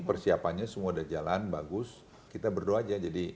persiapannya semua sudah jalan bagus kita berdua aja jadi